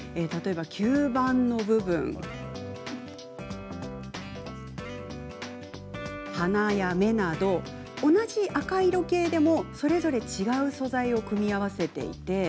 吸盤の部分や鼻、目など、同じ赤色系でもそれぞれ違う素材を組み合わせています。